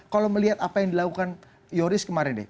kalau melihat apa yang dilakukan yoris kemarin deh